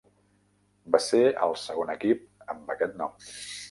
Ve ser el segon equip amb aquest nom.